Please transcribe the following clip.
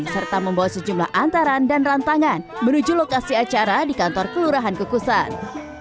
serta membawa sejumlah antaran dan rantangan menuju lokasi acara di kantor kelurahan kukusan